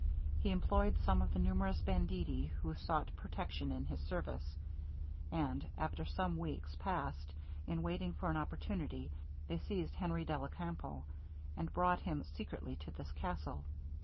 He employed some of the numerous banditti who sought protection in his service, and after some weeks past in waiting for an opportunity, they seized Henry della Campo, and brought him secretly to this castle.